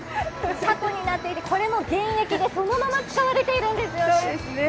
車庫になっていて、これも現役でそのまま使われているんですね。